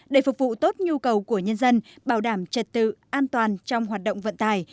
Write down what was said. để phục vụ tốt nhu cầu của nhân dân bảo đảm trật tự an toàn trong hoạt động vận tải